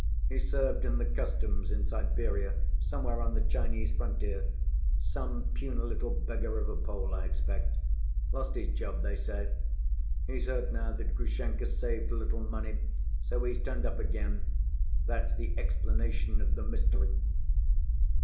He served in the customs in Siberia, somewhere on the Chinese frontier, some puny little beggar of a Pole, I expect. Lost his job, they say. He's heard now that Grushenka's saved a little money, so he's turned up again—that's the explanation of the mystery."